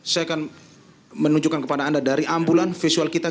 saya akan menunjukkan kepada anda dari ambulan visual kita